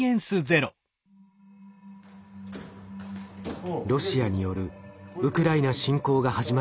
ロシアによるウクライナ侵攻が始まって１年。